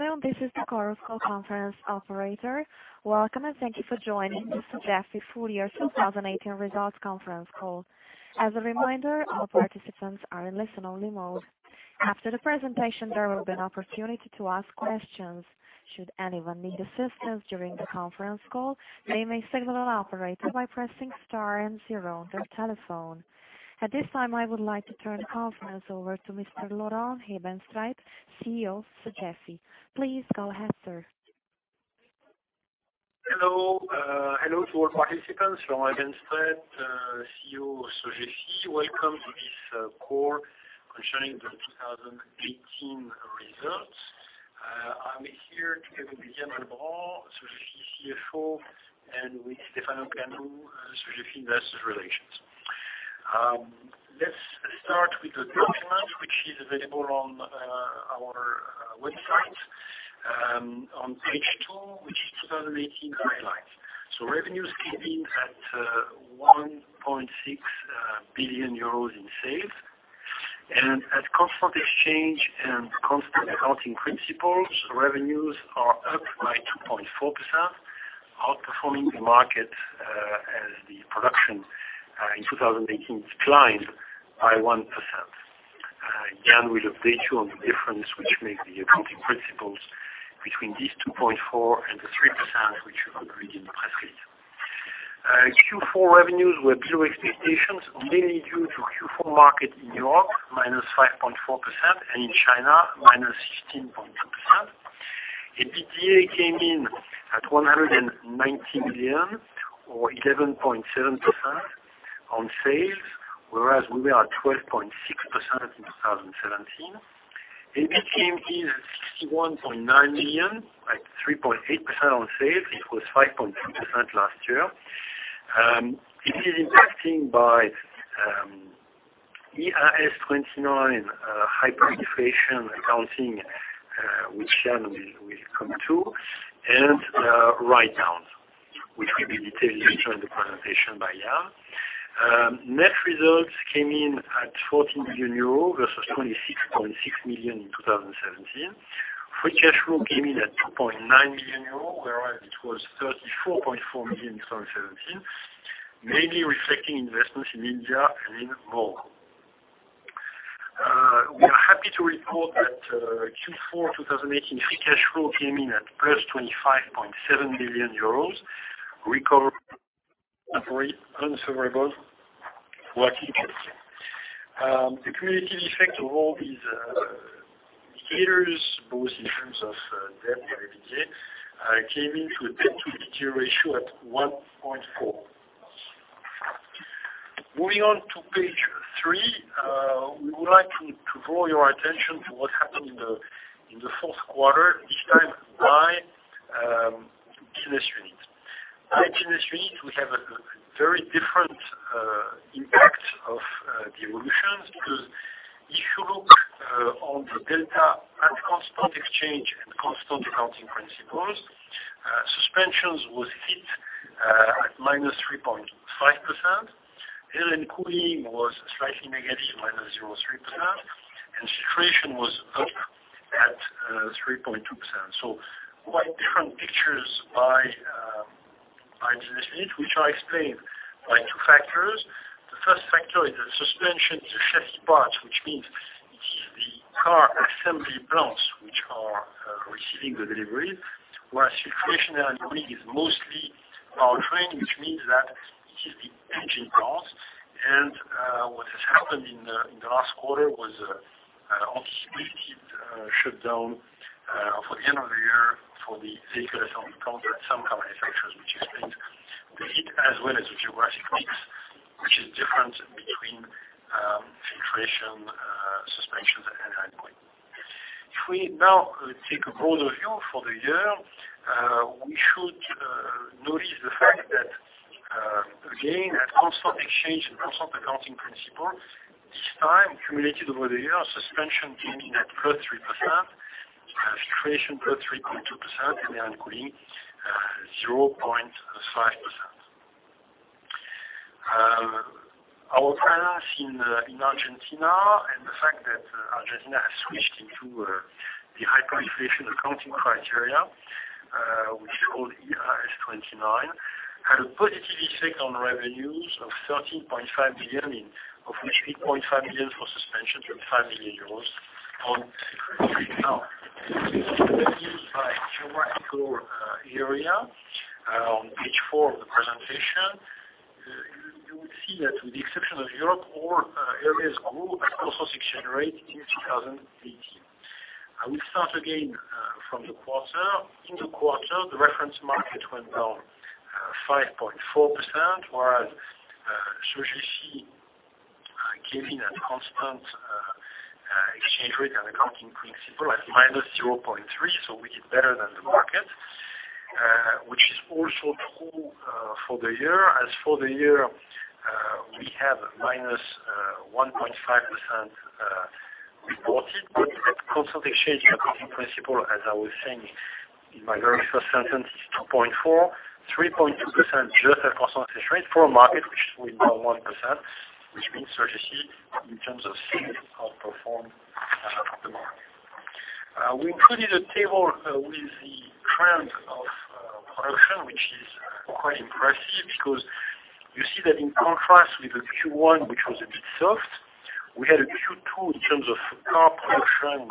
Good afternoon. This is the conference call operator. Welcome, and thank you for joining the Sogefi full year 2018 results conference call. As a reminder, all participants are in listen-only mode. After the presentation, there will be an opportunity to ask questions. Should anyone need assistance during the conference call, they may signal an operator by pressing star and zero on their telephone. At this time, I would like to turn the conference over to Mr. Laurent Hebenstreit, CEO, Sogefi. Please go ahead, sir. Hello to all participants. Laurent Hebenstreit, CEO, Sogefi. Welcome to this call concerning the 2018 results. I am here together with Yann Albrand, Sogefi CFO, and with Stephane Pianon, Sogefi investor relations. Let's start with the document which is available on our website, on page two, which is 2018 highlights. Revenues came in at 1.6 billion euros in sales. At constant exchange and constant accounting principles, revenues are up by 2.4%, outperforming the market as the production in 2018 declined by 1%. Yann will update you on the difference which made the accounting principles between this 2.4% and the 3% which you have read in the press release. Q4 revenues were below expectations, mainly due to Q4 market in Europe, -5.4%, and in China, -16.2%. EBITDA came in at 190 million or 11.7% on sales, whereas we were at 12.6% in 2017. EBIT came in at 61.9 million, at 3.8% on sales. It was 5.2% last year. It is impacted by IAS 29 hyperinflation accounting, which Yann will come to, and write-downs, which will be detailed later in the presentation by Yann. Net results came in at 14 million euro versus 26.6 million in 2017. Free cash flow came in at 2.9 million euro, whereas it was 34.4 million in 2017, mainly reflecting investments in India and in Morocco. We are happy to report that Q4 2018 free cash flow came in at +25.7 million euros, recovery of working capital. The cumulative effect of all these indicators, both in terms of debt and EBITDA, came into a debt-to-EBITDA ratio at 1.4. Moving on to page three, we would like to draw your attention to what happened in the fourth quarter, this time by business unit. By business unit, we have a had a positive effect on revenues of 13.5 million, of which 8.5 million for Suspension and 5 million euros on Filtration. If you look at this by geographical area on page four of the presentation, you will see that with the exception of Europe, all areas grew at constant exchange rate in 2018. I will start again from the quarter. In the quarter, the reference market went down 5.4%, whereas Sogefi came in at constant exchange rate and accounting principle at -0.3%. We did better than the market, which is also true for the year. As for the year, we have -1.5% reported. At constant exchange accounting principle, as I was saying in my very first sentence, 2.4%, 3.2% just at constant exchange rate for a market which is down 1%, which means Sogefi, in terms of sales, outperformed the market. We included a table with the trend of production, which is quite impressive because you see that in contrast with the Q1, which was a bit soft, we had a Q2 in terms of car production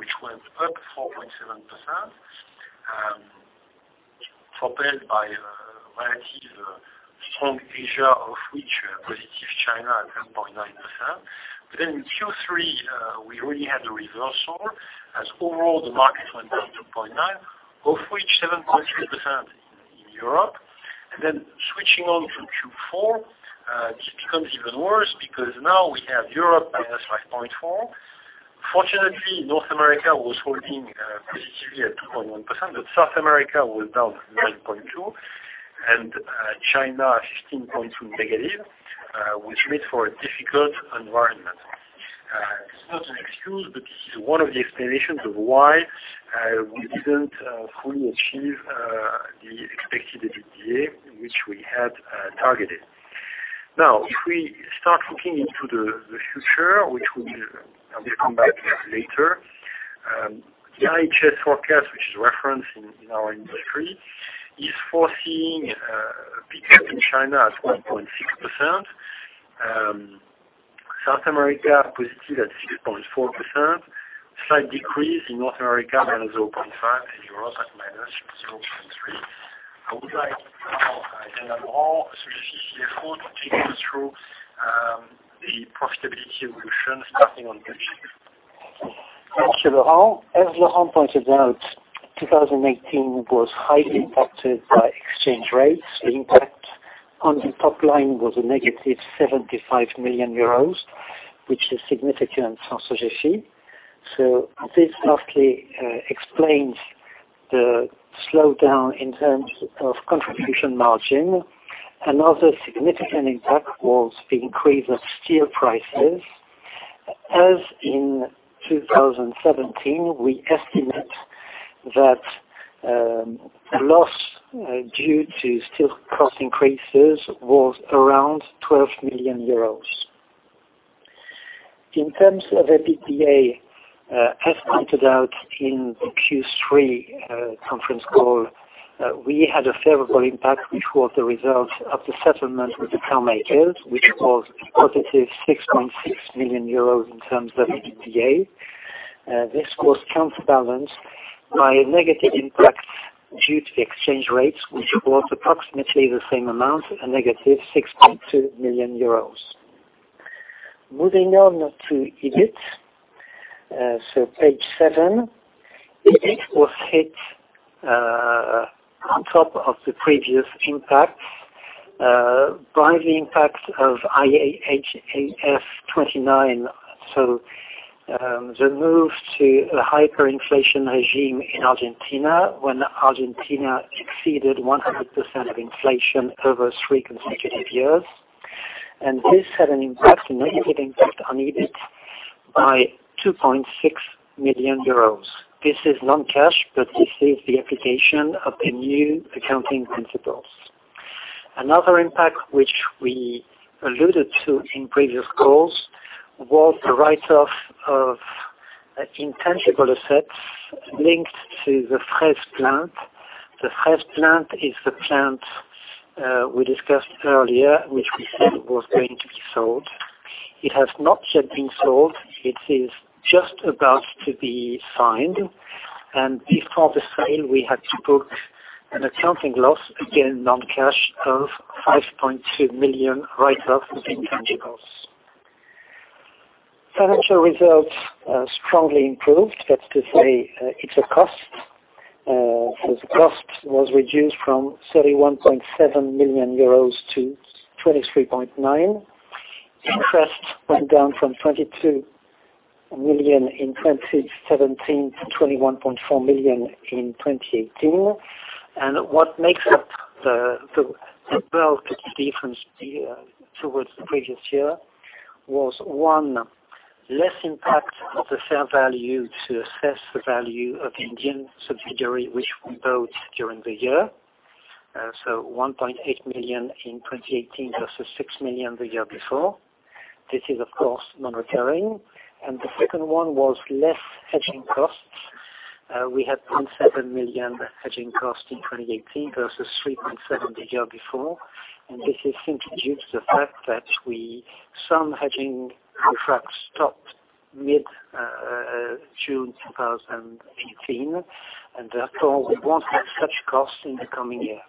which went up 4.7%, propelled by a relatively strong Asia, of which positive China at 10.9%. In Q3, we really had a reversal as overall the market went down 2.9%, of which 7.3% in Europe. Switching on to Q4, this becomes even worse because we have Europe -5.4%. Fortunately, North America was holding positively at 2.1%, South America was down 9.2%, and China -15.2%, which made for a difficult environment. It's not an excuse, this is one of the explanations of why we didn't fully achieve the expected EBITDA which we had targeted. If we start looking into the future, which we will come back to later, the IHS forecast, which is referenced in our industry, is foreseeing a pickup in China at 1.6%, South America positive at 6.4%, slight decrease in North America, down 0.5%, and Europe at -0.3%. I would like Yann Albrand, Sogefi CFO, to take you through the profitability evolution, starting on page eight. Thanks, Laurent. As Laurent pointed out, 2018 was highly impacted by exchange rates. The impact on the top line was a -75 million euros, which is significant for Sogefi. This partly explains the slowdown in terms of contribution margin. Another significant impact was the increase of steel prices. As in 2017, we estimate that the loss due to steel cost increases was around 12 million euros. In terms of EBITDA, as pointed out in the Q3 conference call, we had a favorable impact which was the result of the settlement with the carmakers, which was a +6.6 million euros in terms of EBITDA. This was counterbalanced by a negative impact due to the exchange rates, which was approximately the same amount, a -6.2 million euros. Moving on to EBIT, page seven. EBIT was hit on top of the previous impacts by the impact of IAS 29. The move to a hyperinflation regime in Argentina, when Argentina exceeded 100% of inflation over three consecutive years. This had a negative impact on EBIT by 2.6 million euros. This is non-cash, but this is the application of the new accounting principles. Another impact which we alluded to in previous calls was the write-off of intangible assets linked to the Fraize plant. The Fraize plant is the plant we discussed earlier, which we said was going to be sold. It has not yet been sold. It is just about to be signed. Before the sale, we had to book an accounting loss, again non-cash, of 5.2 million write-off of intangibles. Financial results strongly improved. That is to say, it is a cost. The cost was reduced from 31.7 million-23.9 million euros. Interest went down from 22 million in 2017 to 21.4 million in 2018. What makes up the bulk of the difference towards the previous year was, one, less impact of the fair value to assess the value of the Indian subsidiary which we bought during the year. 1.8 million in 2018 versus 6 million the year before. This is, of course, non-recurring. The second one was less hedging costs. We had 1.7 million hedging cost in 2018 versus 3.7 million the year before. This is simply due to the fact that some hedging contracts stopped mid-June 2018, and therefore we won't have such costs in the coming year.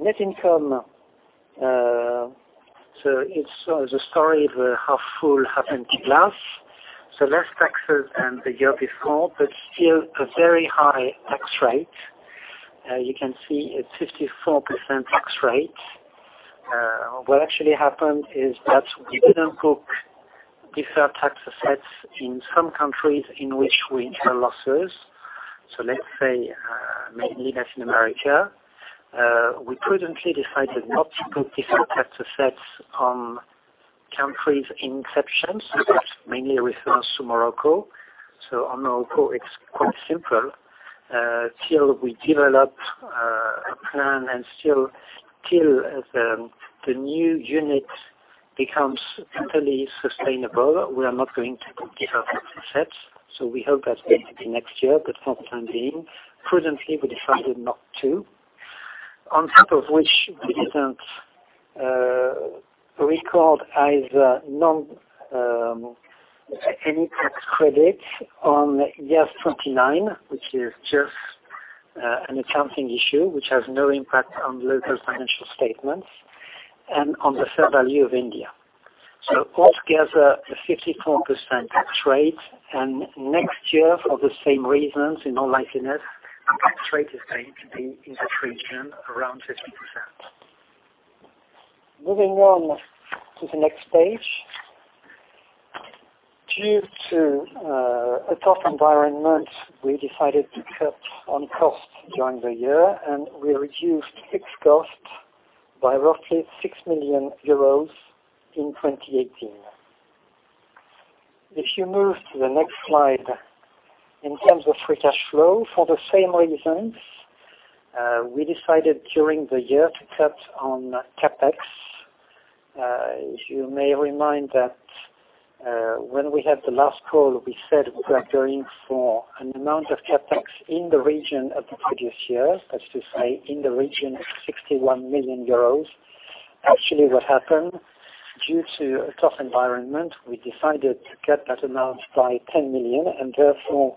Net income. It is the story of a half-full, half-empty glass. Less taxes than the year before, but still a very high tax rate. You can see a 54% tax rate. What actually happened is that we didn't book deferred tax assets in some countries in which we had losses. Let us say mainly Latin America. We prudently decided not to put deferred tax assets on country's inception, that is mainly with reference to Morocco. On Morocco, it is quite simple. Still, we developed a plan, and still the new unit becomes entirely sustainable. We are not going to give up assets, so we hope that is going to be next year. But for the time being, prudently, we decided not to. On top of which we didn't record either any tax credit on IAS 29, which is just an accounting issue, which has no impact on local financial statements and on the fair value of India. Altogether, a 54% tax rate, and next year, for the same reasons, in all likeliness, the tax rate is going to be in the region around 50%. Moving on to the next page. Due to a tough environment, we decided to cut on cost during the year. We reduced fixed cost by roughly 6 million euros in 2018. If you move to the next slide. In terms of free cash flow, for the same reasons, we decided during the year to cut on CapEx. As you may remind that when we had the last call, we said we are going for an amount of CapEx in the region of the previous year, that is to say, in the region of 61 million euros. Actually, what happened, due to a tough environment, we decided to cut that amount by 10 million, and therefore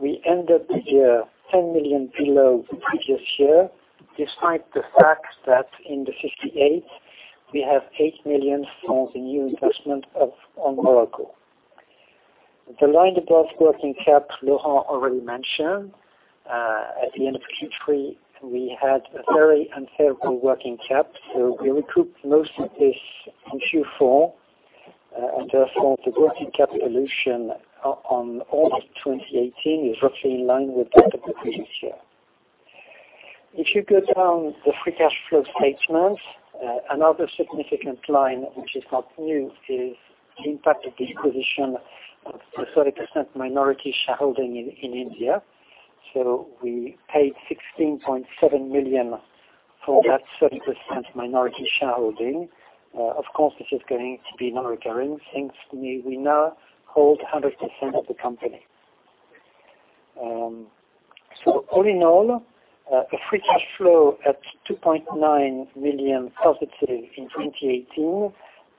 we end the year 10 million below the previous year, despite the fact that in the 58 million we have 8 million from the new investment on Morocco. The line above working cap, Laurent already mentioned. At the end of Q3, we had a very unfavorable working cap. We recouped most of this in Q4. Therefore, the working cap evolution on all of 2018 is roughly in line with that of the previous year. If you go down the free cash flow statement, another significant line, which is not new, is the impact of the acquisition of the 30% minority shareholding in India. We paid 16.7 million for that 30% minority shareholding. Of course, this is going to be non-recurring, since we now hold 100% of the company. All in all, a free cash flow at 2.9 million+ in 2018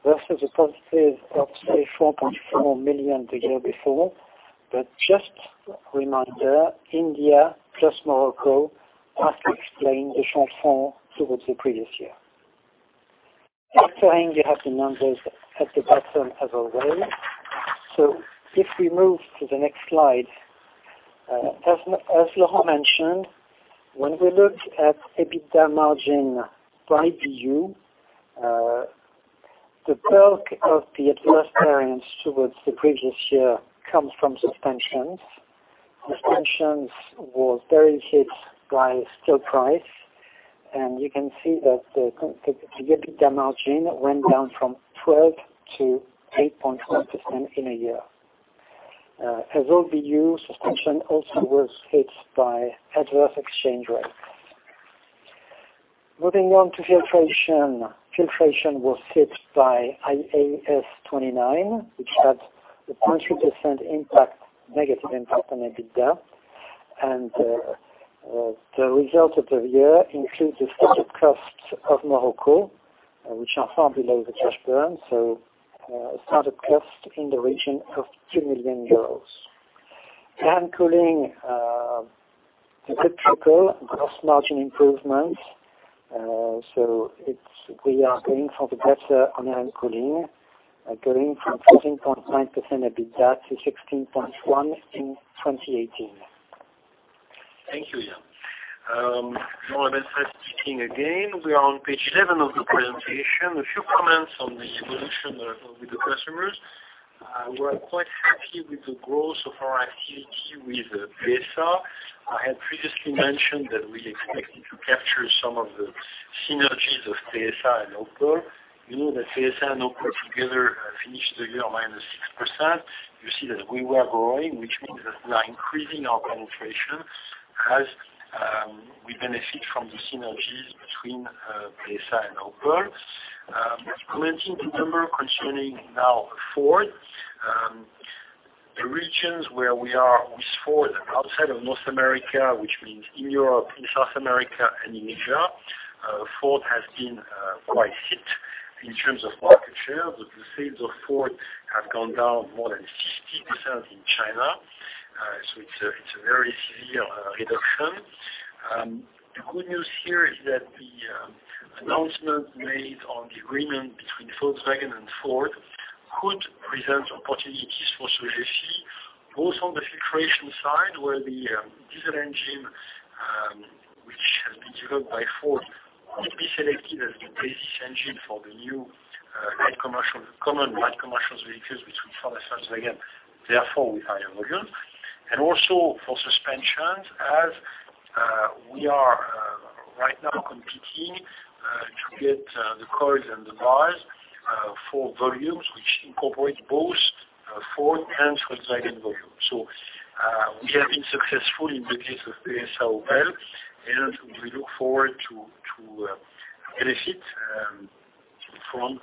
versus a positive of say 4.4 million the year before. Just a reminder, India plus Morocco has explained the shortfall towards the previous year. After India, you have the numbers at the bottom as always. If we move to the next slide. As Laurent mentioned, when we looked at EBITDA margin by BU, the bulk of the adverse variance towards the previous year comes from Suspensions. Suspensions was very hit by steel price. You can see that the EBITDA margin went down from 12%-8.1% in a year. As all BU Suspensions also was hit by adverse exchange rates. Moving on to Filtration. Filtration was hit by IAS 29, which had a 20% impact, negative impact on EBITDA. The result of the year includes the start-up costs of Morocco, which are far below the cash burn. Start-up cost in the region of 2 million euros. Air & Cooling, a good trickle gross margin improvement. We are going for the better on Air & Cooling, going from 13.9% EBITDA to 16.1% in 2018. Thank you, Yann. Laurent speaking again. We are on page seven of the presentation. A few comments on the evolution with the customers. We are quite happy with the growth of our activity with PSA. I had previously mentioned that we expected to capture some of the synergies of PSA and Opel. You know that PSA and Opel together finished the year -6%. You see that we were growing, which means that we are increasing our penetration as we benefit from the synergies between PSA and Opel. Commenting the number concerning now Ford. The regions where we are with Ford outside of North America, which means in Europe, in South America, and in Asia, Ford has been quite hit in terms of market share. The sales of Ford have gone down more than 50% in China. It's a very severe reduction. The good news here is that the announcement made on the agreement between Volkswagen and Ford could present opportunities for Sogefi, both on the Filtration side, where the diesel engine, which has been developed by Ford, could be selected as the basic engine for the new light commercial common-base between Ford and Volkswagen, therefore with higher volumes. Also for Suspensions, as we are right now competing to get the coils and the bars for volumes which incorporate both Ford and Volkswagen volumes. We have been successful in the case of PSA Opel, and we look forward to benefit from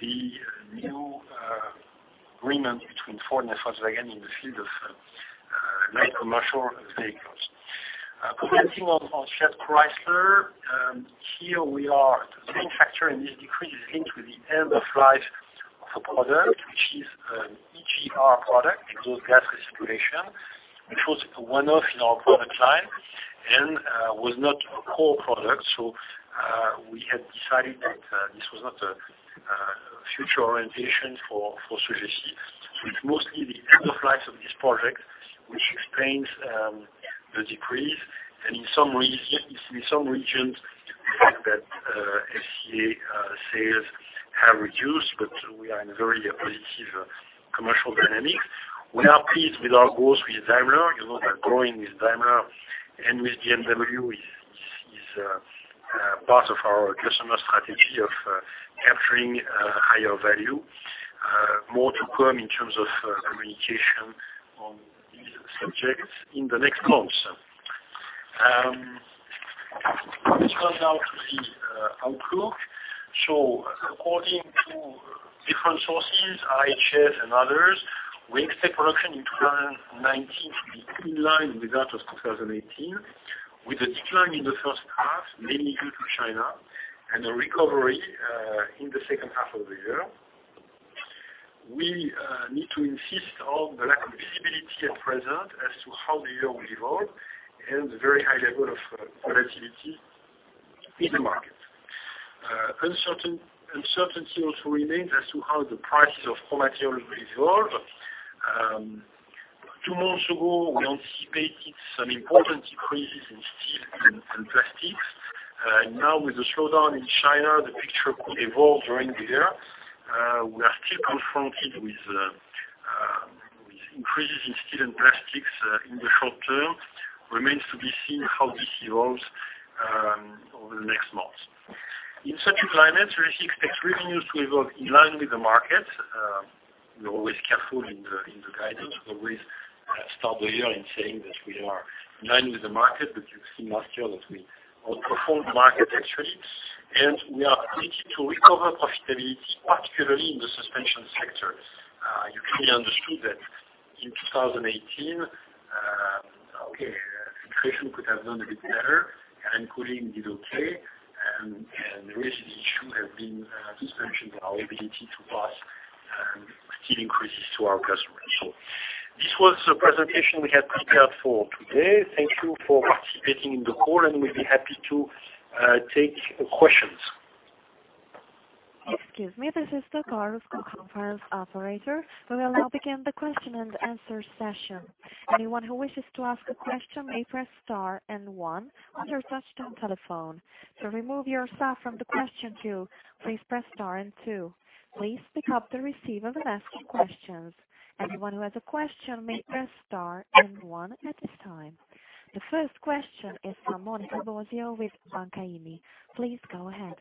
the new agreement between Ford and Volkswagen in the field of light commercial vehicles. Progressing on Fiat Chrysler, here we are seeing factory and this decrease is linked with the end of life of a product, which is an EGR product, exhaust gas recirculation, which was a one-off in our product line and was not a core product. We had decided that this was not a future orientation for Sogefi. It's mostly the end of life of this project, which explains the decrease, and in some regions, we find that FCA sales have reduced, but we are in very positive commercial dynamics. We are pleased with our growth with Daimler. You know that growing with Daimler and with BMW is part of our customer strategy of capturing higher value. More to come in terms of communication on these subjects in the next months. Let's turn now to the outlook. According to different sources, IHS and others, we expect production in 2019 to be in line with that of 2018, with a decline in the first half, mainly due to China, and a recovery in the second half of the year. We need to insist on the lack of visibility at present as to how the year will evolve and the very high level of volatility in the market. Uncertainty also remains as to how the prices of raw materials will evolve. Two months ago, we anticipated some important increases in steel and plastics. Now with the slowdown in China, the picture could evolve during the year. We are still confronted with increases in steel and plastics in the short term. Remains to be seen how this evolves over the next months. In such environment, Sogefi expects revenues to evolve in line with the market. We're always careful in the guidance. We always start the year in saying that we are in line with the market, but you've seen last year that we outperformed the market actually. We are committed to recover profitability, particularly in the suspension sector. You clearly understood that in 2018, okay, filtration could have done a bit better and cooling did okay. The real issue has been suspension and our ability to pass steel increases to our customers. This was the presentation we had prepared for today. Thank you for participating in the call, and we'll be happy to take questions. Excuse me. This is the Conference Operator. We will now begin the question and answer session. Anyone who wishes to ask a question may press star and one on your touchtone telephone. To remove yourself from the question queue, please press star and two. Please pick up the receiver when asking questions. Anyone who has a question may press star and one at this time. The first question is from Monica Bosio with Banca IMI. Please go ahead.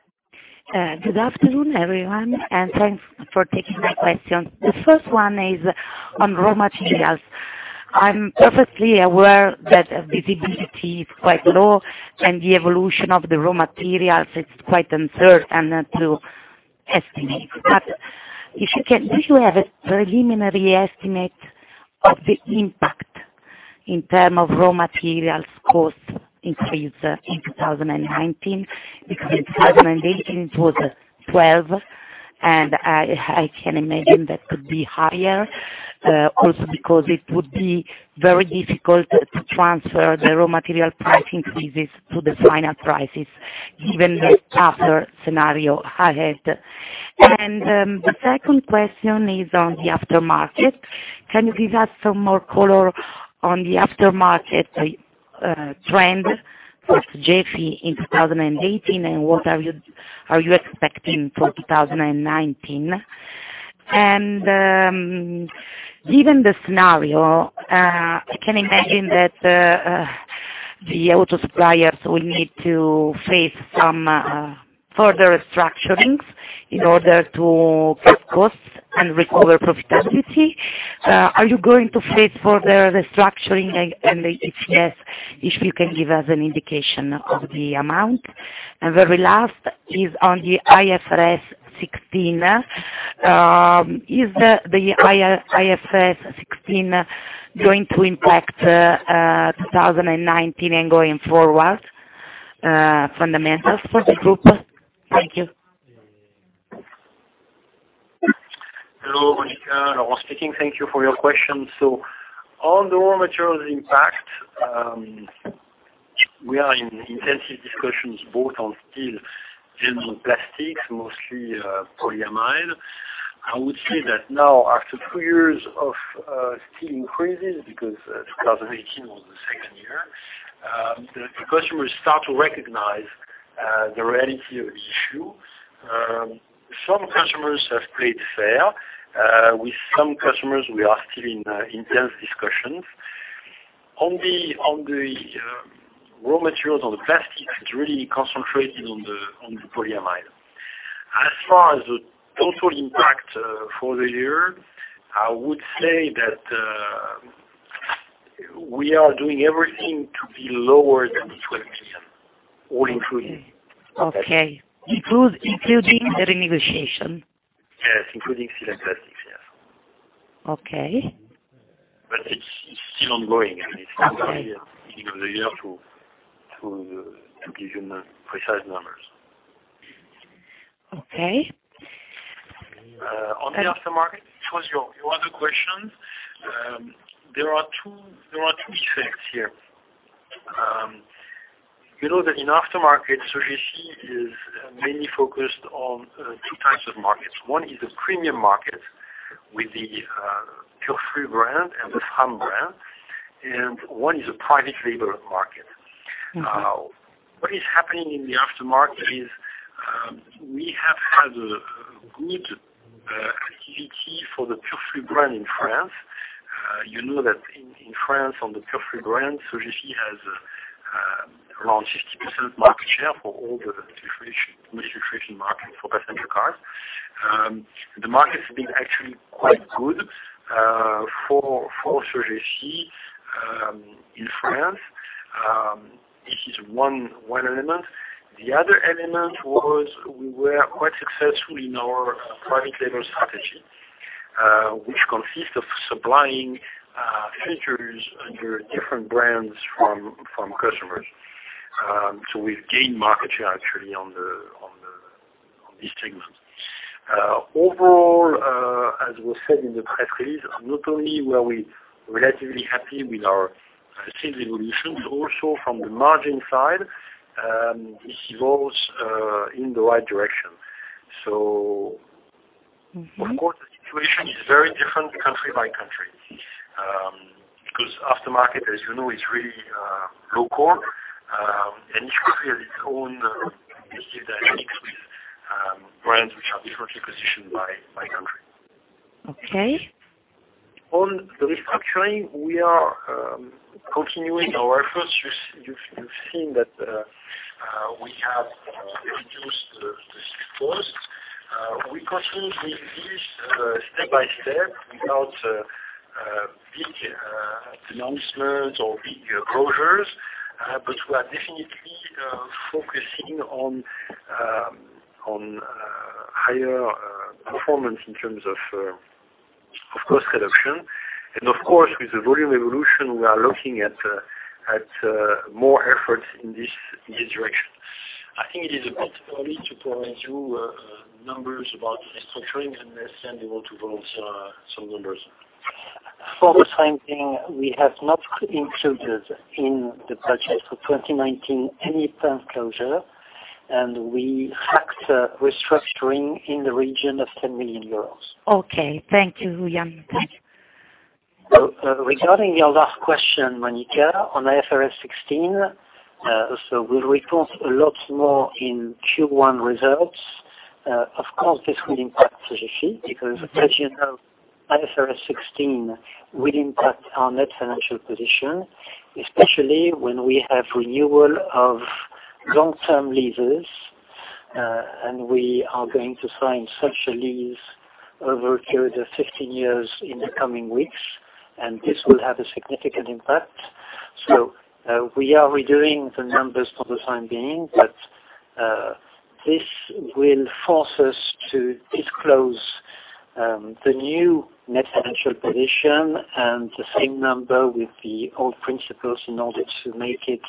Good afternoon, everyone, and thanks for taking the questions. The first one is on raw materials. I'm perfectly aware that visibility is quite low and the evolution of the raw materials is quite uncertain to estimate. If you have a preliminary estimate of the impact in terms of raw materials cost increase in 2019, because in 2018 it was 12, and I can imagine that could be higher. Also because it would be very difficult to transfer the raw material price increases to the final prices given the tougher scenario ahead. The second question is on the aftermarket. Can you give us some more color on the aftermarket trend of Sogefi in 2018, and what are you expecting for 2019? Given the scenario, I can imagine that the auto suppliers will need to face some further restructurings in order to cut costs and recover profitability. Are you going to face further restructuring? If yes, if you can give us an indication of the amount. Very last is on the IFRS 16. Is the IFRS 16 going to impact 2019 and going forward, fundamentals for the group? Thank you. Hello, Monica. Laurent speaking. Thank you for your questions. On the raw materials impact, we are in intensive discussions both on steel and on plastics, mostly polyamide. I would say that now after two years of steel increases, because 2018 was the second year. The customers start to recognize the reality of the issue. Some customers have played fair. With some customers, we are still in intense discussions. On the raw materials, on the plastics, it's really concentrated on the polyamide. As far as the total impact for the year, I would say that we are doing everything to be lower than the 12 million, all included. Okay. Including the renegotiation? Yes, including steel, plastics. Okay. It's still ongoing. Okay. It's the end of the year to give you precise numbers. Okay. On the aftermarket, it was your other question. There are two effects here. You know that in aftermarket, Sogefi is mainly focused on two types of markets. One is the premium market, with the Purflux brand and the Fram brand, and one is a private label market. What is happening in the aftermarket is we have had a good activity for the Purflux brand in France. You know that in France, on the Purflux brand, Sogefi has around 60% market share for all the filtration market for passenger cars. The market has been actually quite good for Sogefi in France. This is one element. The other element was we were quite successful in our private label strategy, which consists of supplying filters under different brands from customers. We've gained market share actually on this segment. Overall, as we said in the press release, not only were we relatively happy with our sales evolution, but also from the margin side, this evolves in the right direction. Of course, the situation is very different country by country. Because aftermarket, as you know, is really local, and each country has its own basic dynamics with brands which are differently positioned by country. Okay. On the restructuring, we are continuing our efforts. You've seen that we have reduced the site costs. We continue with this step-by-step without big announcements or big closures, we are definitely focusing on higher performance in terms of cost reduction. Of course, with the volume evolution, we are looking at more efforts in this direction. I think it is a bit early to promise you numbers about restructuring and they want to vote some numbers. For the time being, we have not included in the budget for 2019 any plant closure, we factor restructuring in the region of 10 million euros. Thank you, Yann. Regarding your last question, Monica, on IFRS 16, we'll report a lot more in Q1 results. Of course, this will impact Sogefi because, as you know, IFRS 16 will impact our net financial position, especially when we have renewal of long-term leases, we are going to sign such a lease over a period of 15 years in the coming weeks, this will have a significant impact. We are redoing the numbers for the time being, this will force us to disclose the new net financial position and the same number with the old principles in order to make it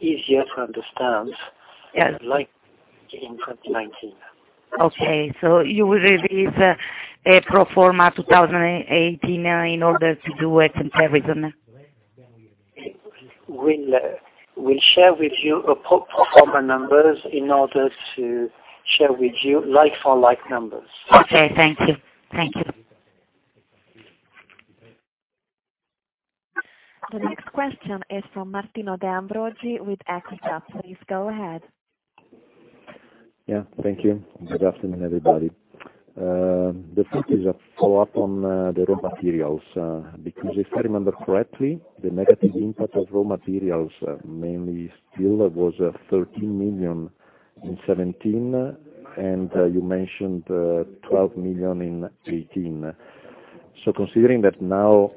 easier to understand. Yes. Like in 2019. You will release a pro forma 2018 in order to do it in comparison. We'll share with you pro forma numbers in order to share with you like for like numbers. Okay, thank you. The next question is from Martino De Ambroggi with Equita. Please go ahead. Thank you. Good afternoon, everybody. The first is a follow-up on the raw materials, because if I remember correctly, the negative impact of raw materials, mainly steel, was 13 million in 2017, and you mentioned 12 million in 2018. Considering that now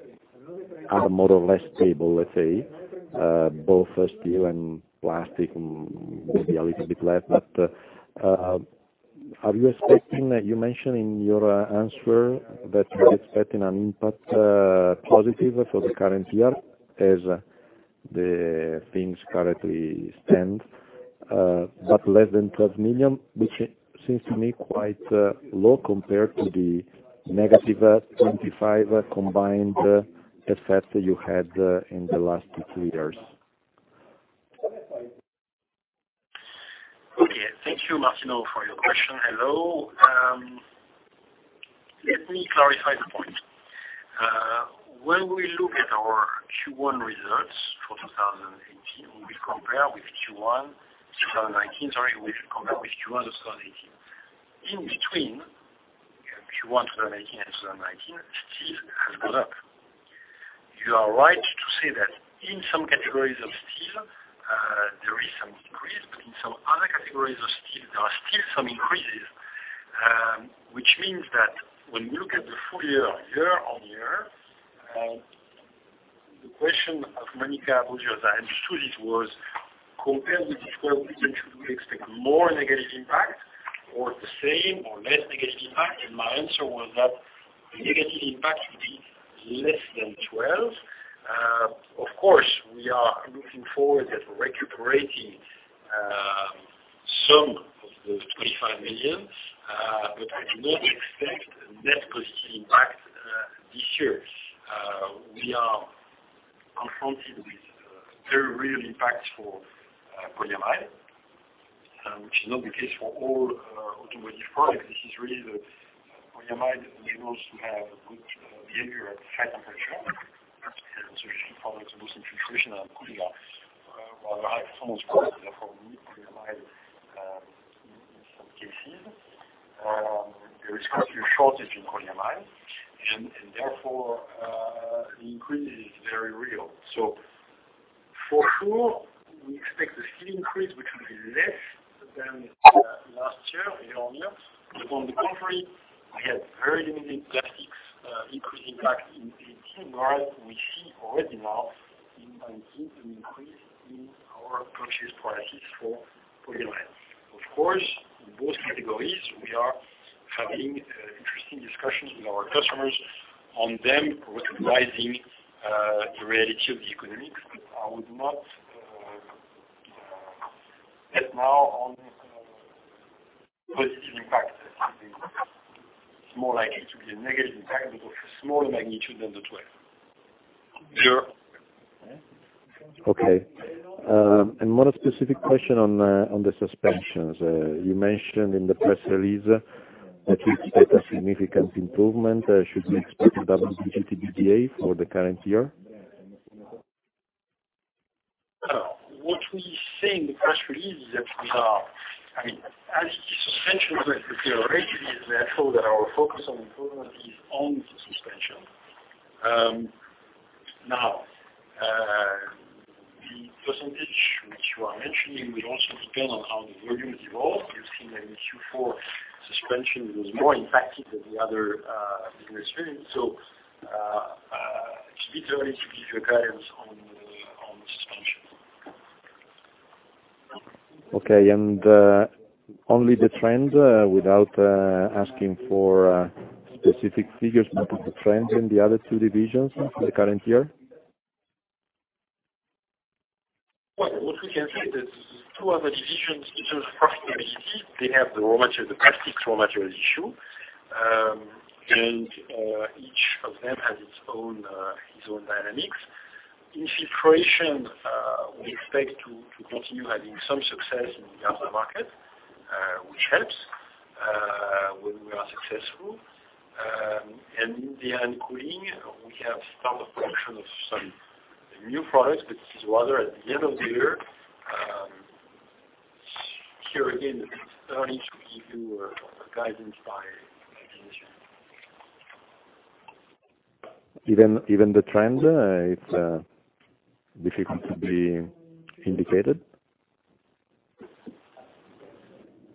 are more or less stable, let's say, both steel and plastic, maybe a little bit less. You mentioned in your answer that you're expecting an impact positive for the current year as the things currently stand, but less than 12 million, which seems to me quite low compared to the -25 million combined effect you had in the last two, three years. Thank you, Martino, for your question. Hello. Let me clarify the point. When we look at our Q1 results for 2018, we will compare with Q1 2019. Sorry, we should compare with Q1 of 2018. In between Q1 2018 and 2019, steel has gone up. You are right to say that in some categories of steel, there is some decrease. In some other categories of steel, there are still some increases, which means that when you look at the full year-over-year, the question of Monica Bosio, as I understood it, was compared with the 12 weeks, should we expect more negative impact or the same or less negative impact? My answer was that the negative impact will be less than 12. Of course, we are looking forward at recuperating some of those 25 million, but I do not expect a net positive impact this year. We are confronted with very real impacts for polyamide, which is not the case for all automotive products. This is really the polyamide that enables to have a good behavior at high temperature. You should find it in some Filtration and cooling-off products. Therefore, we need polyamide in some cases. There is currently a shortage in polyamide, and therefore, the increase is very real. For sure, we expect the steel increase, which will be less than last year-over-year. On the contrary, we had very limited plastics increase impact in 2018, whereas we see already now in 2019 an increase in our purchase prices for polyamide. Of course, in both categories, we are having interesting discussions with our customers on them recognizing the reality of the economics. But I would not bet now on a positive impact. It's more likely to be a negative impact, but of a smaller magnitude than the 12. Pierre? Okay. One specific question on the Suspensions. You mentioned in the press release that you expect a significant improvement. Should we expect it above EBITDA for the current year? What we say in the press release is that as suspension was a priority, it is natural that our focus on improvement is on the suspension. The percentage which you are mentioning will also depend on how the volumes evolve. You've seen that in Q4, suspension was more impacted than the other business units. It's a bit early to give you a guidance on the suspension. Okay. Only the trend, without asking for specific figures, the trend in the other two divisions for the current year? Well, what we can say is the two other divisions, as you see, they have the raw materials, the plastics raw materials issue. Each of them has its own dynamics. In Filtration, we expect to continue having some success in the aftermarket, which helps when we are successful. In the end, cooling, we have started production of some new products, this is rather at the end of the year. Here again, it's early to give you a guidance by division. Even the trend, it's difficult to be indicated?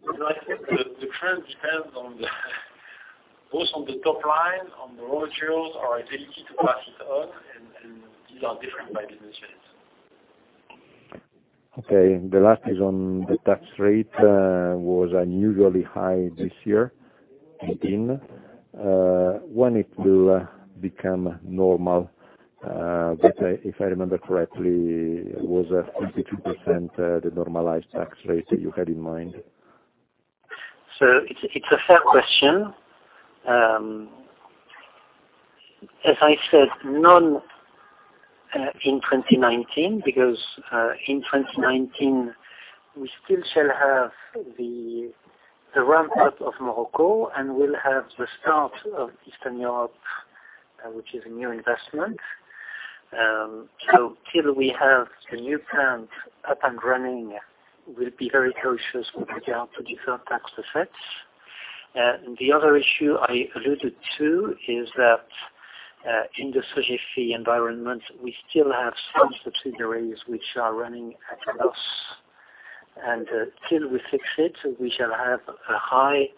I think the trend depends both on the top line, on the raw materials, our ability to pass it on, and these are different by business units. Okay. The last is on the tax rate was unusually high this year, 2018. When it will become normal. If I remember correctly, it was at 52%, the normalized tax rate that you had in mind. It's a fair question. As I said, none in 2019 because, in 2019, we still shall have the ramp-up of Morocco, and we'll have the start of Eastern Europe, which is a new investment. Till we have the new plant up and running, we'll be very cautious with regard to deferred tax effects. The other issue I alluded to is that, in the Sogefi environment, we still have some subsidiaries which are running at a loss. Till we fix it, we shall have a high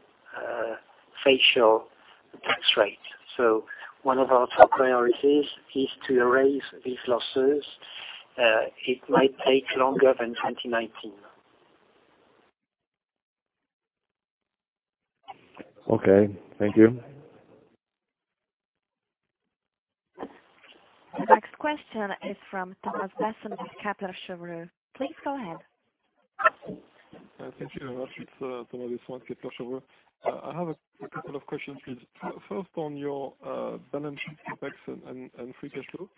facial tax rate. One of our top priorities is to erase these losses. It might take longer than 2019. Okay. Thank you. The next question is from Thomas Besson with Kepler Cheuvreux. Please go ahead. Thank you very much. It's Thomas Besson, Kepler Cheuvreux. I have a couple of questions, please. First, on your balance sheet CapEx and free cash flow.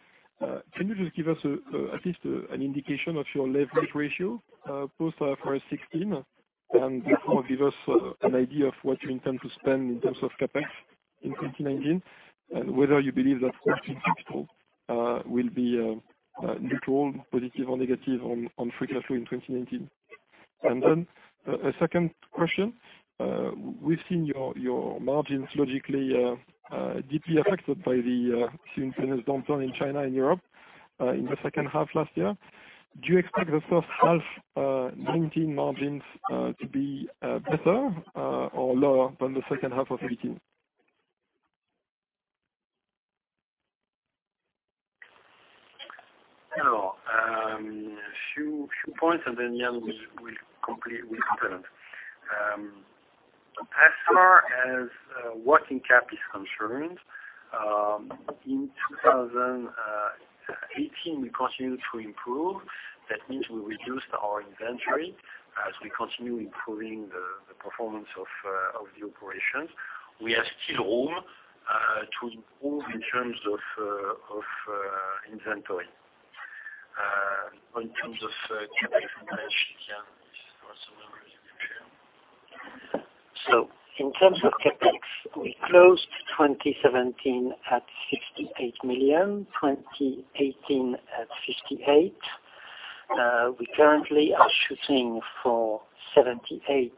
Can you just give us at least an indication of your leverage ratio post IFRS 16, and therefore give us an idea of what you intend to spend in terms of CapEx in 2019, and whether you believe that working capital will be neutral, positive, or negative on free cash flow in 2019. A second question. We've seen your margins logically deeply affected by the simultaneous downturn in China and Europe in the second half last year. Do you expect the first half 2019 margins to be better or lower than the second half of 2018? A few points. Yann will comment. As far as working cap is concerned, in 2018 we continued to improve. That means we reduced our inventory as we continue improving the performance of the operations. We are still on to improve in terms of inventory. In terms of CapEx, Yann will also comment. In terms of CapEx, we closed 2017 at 68 million, 2018 at 58 million. We currently are shooting for 78 million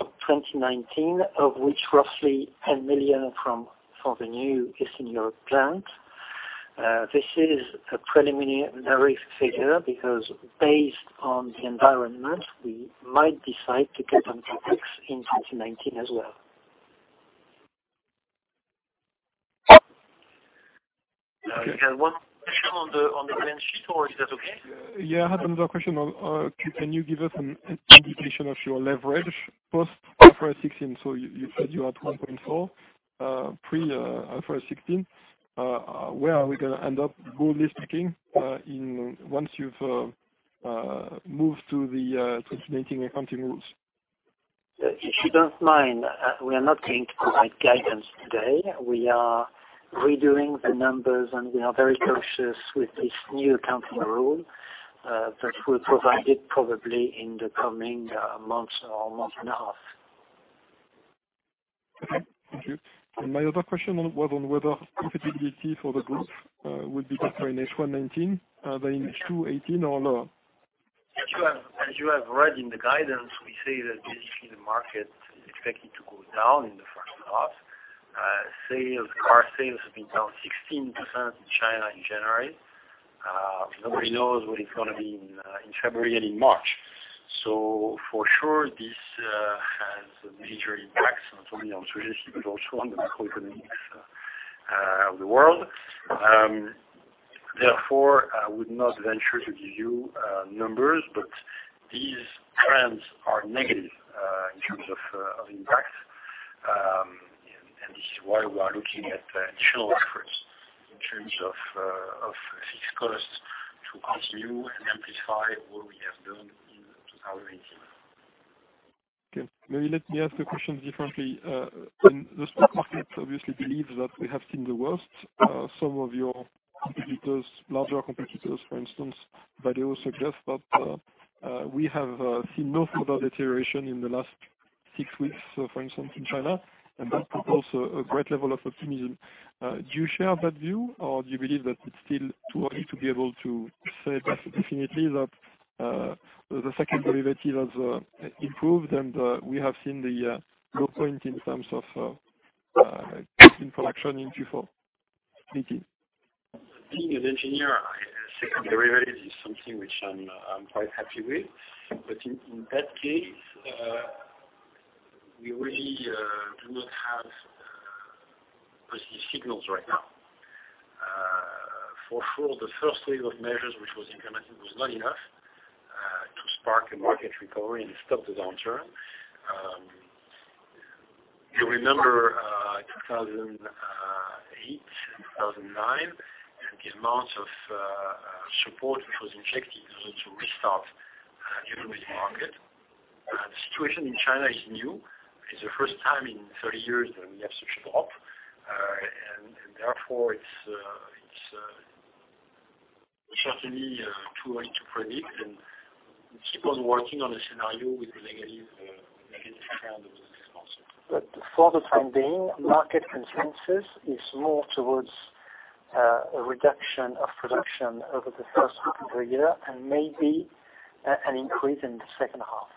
in 2019, of which roughly 10 million from for the new Eastern Europe plant. This is a preliminary figure because based on the environment, we might decide to cut on CapEx in 2019 as well. Yann, one question on the balance sheet, or is that okay? Yeah, I had another question. Can you give us an indication of your leverage post IFRS 16? You said you had 1.4 pre IFRS 16. Where are we going to end up, boldly speaking, once you've moved to the 2019 accounting rules? If you don't mind, we are not going to provide guidance today. We are redoing the numbers, and we are very cautious with this new accounting rule, but we'll provide it probably in the coming month or month and a half. Okay. Thank you. My other question was on whether profitability for the group would be better in H1 2019 than in H2 2018 or lower. As you have read in the guidance, we say that basically the market is expected to go down in the first half. Car sales have been down 16% in China in January. Nobody knows what it's going to be in February and in March. For sure, this has a major impact not only on Sogefi but also on the macroeconomics of the world. Therefore, I would not venture to give you numbers, but these trends are negative in terms of impact. This is why we are looking at additional efforts in terms of fixed costs to continue and amplify what we have done in 2018. Okay. Maybe let me ask the question differently. The stock market obviously believes that we have seen the worst. Some of your larger competitors, for instance, Valeo, suggest that we have seen no further deterioration in the last 6 weeks, for instance, in China, and that prompts a great level of optimism. Do you share that view, or do you believe that it's still too early to be able to say definitely that the second derivative has improved and we have seen the low point in terms of vehicle production in Q4 2018? Being an engineer, a second derivative is something which I'm quite happy with. In that case, we really do not have positive signals right now. For sure, the first wave of measures which was implemented was not enough to spark a market recovery and stop the downturn. You remember 2008, 2009, and the amount of support which was injected in order to restart the automobile market. The situation in China is new. It's the first time in 30 years that we have such a drop. Therefore, it's certainly too early to predict, and we keep on working on a scenario with a negative trend also. For the time being, market consensus is more towards a reduction of production over the first half of the year and maybe an increase in the second half.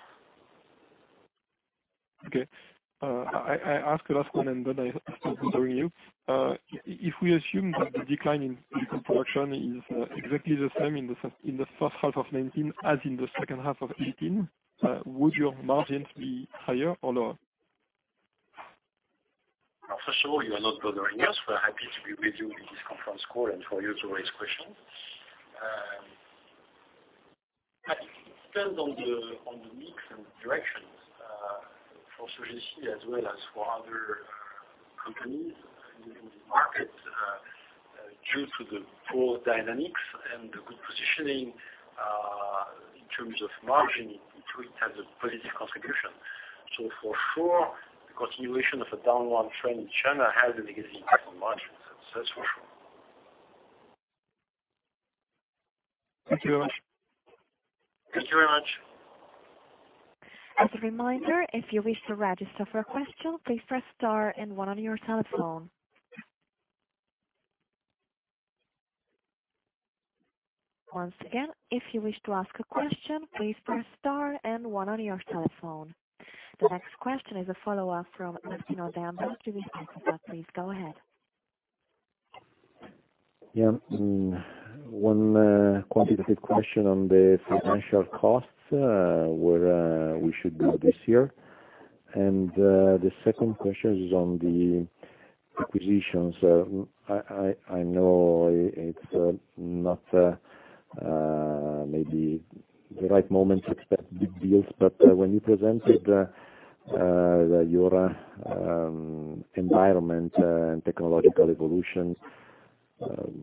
Okay. I ask the last one and then I stop bothering you. If we assume that the decline in vehicle production is exactly the same in the first half of 2019 as in the second half of 2018, would your margins be higher or lower? First of all, you are not bothering us. We are happy to be with you in this conference call and for you to raise questions. It depends on the mix and directions for Sogefi as well as for other companies in the market due to the poor dynamics and the good positioning in terms of margin, it has a positive contribution. For sure, the continuation of a downward trend in China has a negative impact on margins. That's for sure. Thank you very much. Thank you very much. As a reminder, if you wish to register for a question, please press star one on your telephone. Once again, if you wish to ask a question, please press star one on your telephone. The next question is a follow-up from Martino De Ambroggi with Equita. Please go ahead. Yeah. One quantitative question on the financial costs, where we should be this year. The second question is on the acquisitions. I know it's not maybe the right moment to expect big deals, when you presented your environment and technological evolution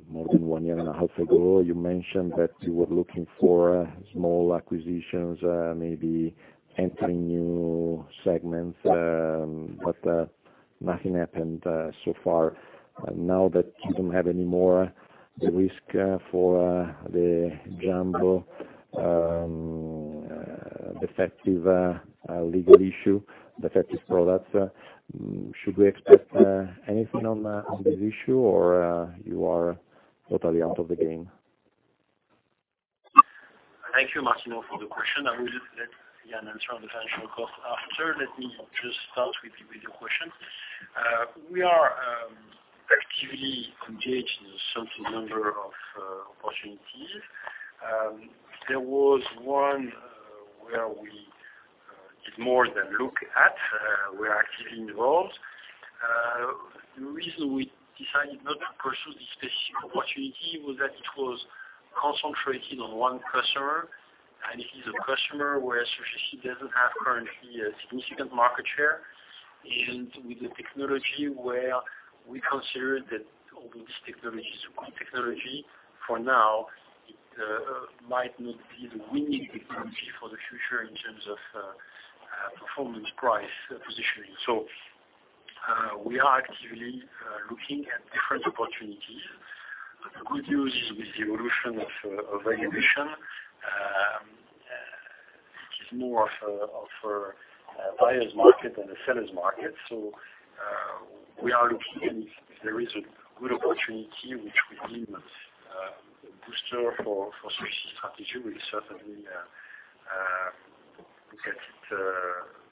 more than one year and a half ago, you mentioned that you were looking for small acquisitions, maybe entering new segments. Nothing happened so far. Now that you don't have any more risk for the Jambo defective legal issue, defective products, should we expect anything on this issue, or you are totally out of the game? Thank you, Martino, for the question. I will let Yann answer on the financial cost after. Let me just start with your question. We are actively engaged in some number of opportunities. There was one where we did more than look at. We're actively involved. The reason we decided not to pursue this specific opportunity was that it was concentrated on one customer, and it is a customer where Sogefi doesn't have currently a significant market share, and with the technology where we consider that although this technology is a good technology, for now, it might not be the winning technology for the future in terms of performance, price positioning. We are actively looking at different opportunities. The good news is with the evolution of valuation. It is more of a buyer's market than a seller's market. We are looking, and if there is a good opportunity which we believe is a booster for Sogefi's strategy,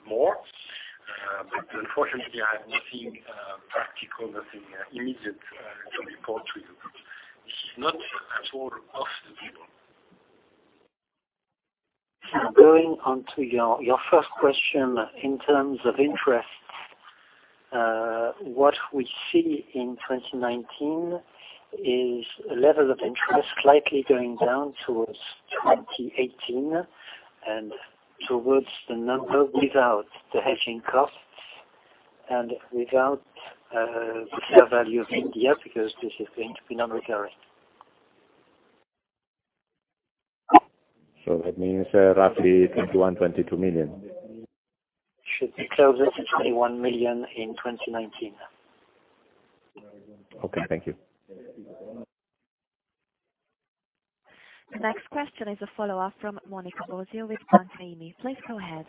we certainly look at it more. Unfortunately, I have nothing practical, nothing immediate to report to you. This is not at all off the table. Going on to your first question in terms of interest. What we see in 2019 is a level of interest likely going down towards 2018 and towards the number without the hedging costs and without the fair value of India, because this is going to be non-recurring. That means roughly 21 million-22 million. Should be closer to 21 million in 2019. Okay. Thank you. The next question is a follow-up from Monica Bosio with Banca IMI. Please go ahead.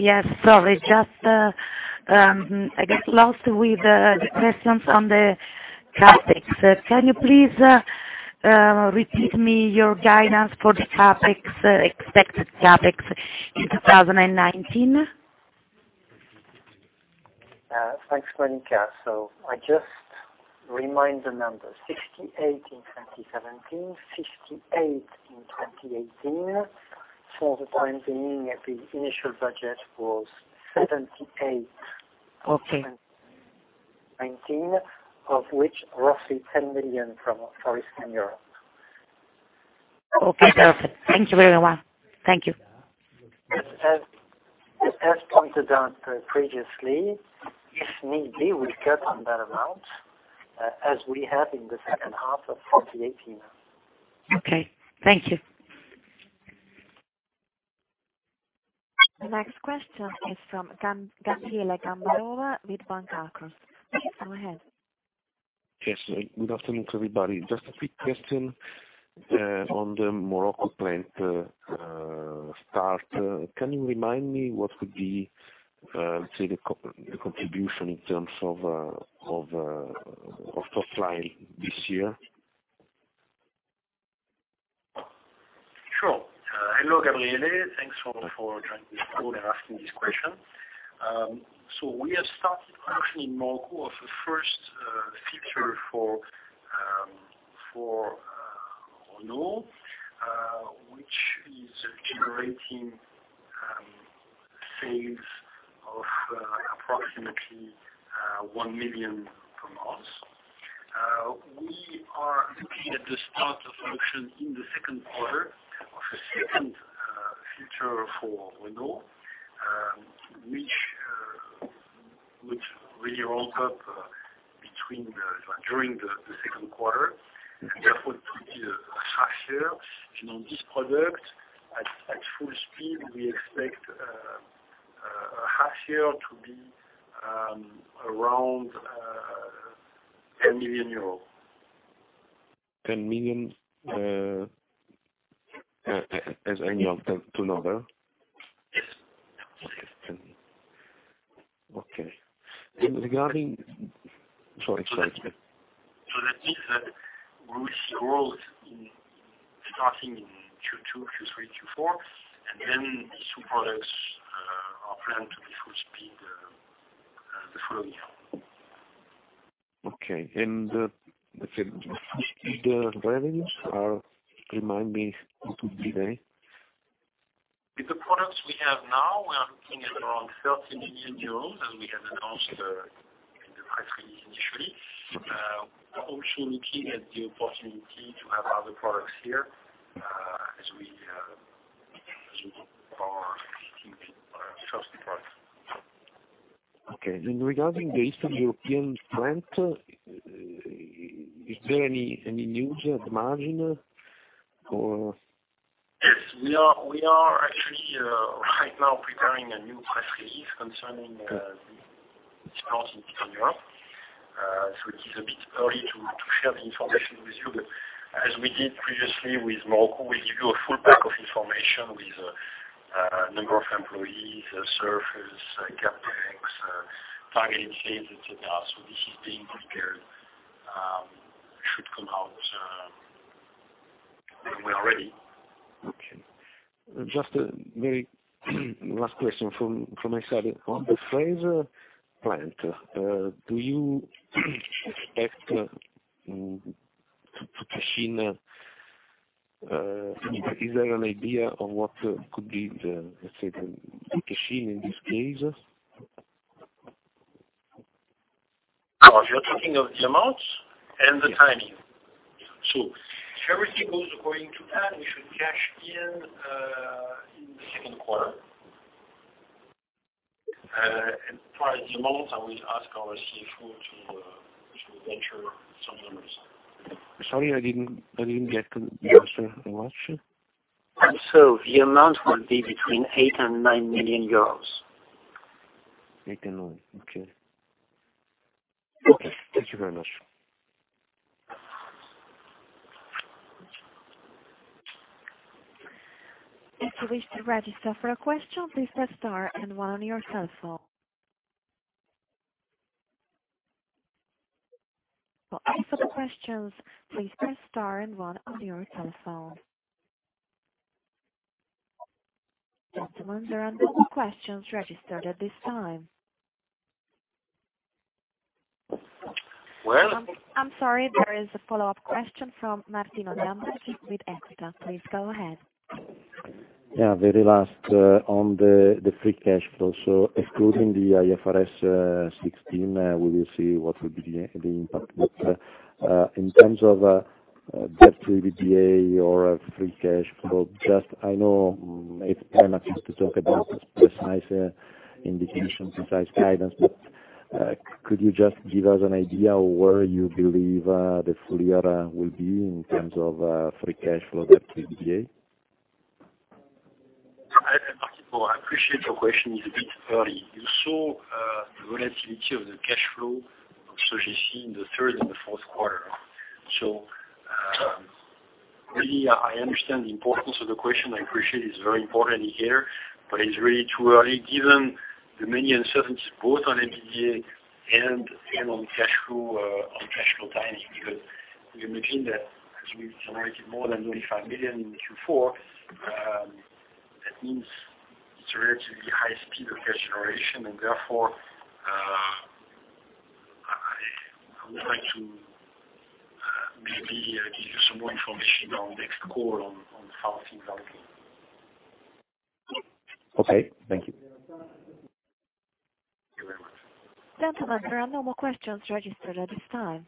Yes. Sorry. Just, I got lost with the questions on the CapEx. Can you please repeat me your guidance for the expected CapEx in 2019? Thanks, Monica. I just remind the numbers, 68 in 2017, 58 in 2018. For the time being, the initial budget was 78 in 2019, of which roughly 10 million for Eastern Europe. Okay, perfect. Thank you very well. Thank you. As pointed out previously, if need be, we cut on that amount, as we have in the second half of 2018. Okay. Thank you. The next question is from [Gabriela Gamboa] with [Banco]. Please go ahead. Yes. Good afternoon to everybody. Just a quick question on the Morocco plant start. Can you remind me what would be, let's say, the contribution in terms of top line this year? Sure. Hello, Gabriele. Thanks for joining this call and asking this question. We have started actually in Morocco of the first feature for Renault, which is generating sales of approximately 1 million per month. We are looking at the start of production in Q2 of a second feature for Renault, which really ramps up during Q2. Therefore, it will be a half year. On this product, at full speed, we expect this year to be around 10 million euro. 10 million as annual run rate? Yes. Okay. Regarding Sorry. That means that we will see growth starting in Q2, Q3, Q4, then these two products are planned to be full speed the following year. Okay. The full speed revenues, remind me what would be there. With the products we have now, we are looking at around 30 million euros, as we have announced in the press release initially. We are also looking at the opportunity to have other products here as we move forward with our trusted products. Okay. Regarding the Eastern European plant, is there any news at the margin? Yes. We are actually right now preparing a new press release concerning this plant in Eastern Europe. It is a bit early to share the information with you, but as we did previously with Morocco, we give you a full pack of information with number of employees, surface, CapEx, target dates, et cetera. This is being prepared. It should come out when we are ready. Okay. Just a very last question from my side. On the Fraize plant, do you expect to put a machine? Is there an idea of what could be the, let's say, the put a machine in this case? You're talking of the amounts and the timing? Yeah. If everything goes according to plan, we should cash in the second quarter. For the amounts, I will ask our CFO to venture some numbers. Sorry, I didn't get the amounts. The amount will be between 8 million and 9 million euros. Eight and nine. Okay. Thank you very much. If you wish to register for a question, please press star and one on your cell phone. For answer the questions, please press star and one on your telephone. Gentlemen, there are no questions registered at this time. Well. I'm sorry, there is a follow-up question from Martino De Ambroggi with Equita. Please go ahead. Yeah, very last on the free cash flow. Excluding the IFRS 16, we will see what will be the impact. In terms of debt-to-EBITDA or free cash flow, I know it's premature to talk about precise indications, precise guidance, but could you just give us an idea where you believe the full year will be in terms of free cash flow to EBITDA? Martino, I appreciate your question. It's a bit early. You saw the relativity of the cash flow of Sogefi in the third and the fourth quarter. Really, I understand the importance of the question. I appreciate it's very important here, but it's really too early given the many uncertainties both on EBITDA and on cash flow timing, because we imagine that as we generated more than 35 million in Q4, that means it's a relatively high speed of cash generation, and therefore, I would like to maybe give you some more information on next call on how things are going. Okay. Thank you. Thank you very much. Gentlemen, there are no more questions registered at this time.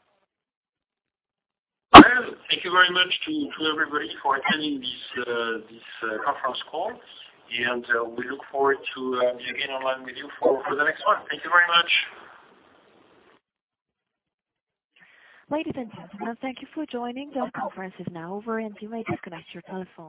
Well, thank you very much to everybody for attending this conference call, and we look forward to be again online with you for the next one. Thank you very much. Ladies and gentlemen, thank you for joining. The conference is now over, and you may disconnect your telephones.